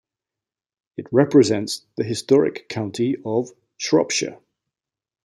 It represents the historic county of Shropshire.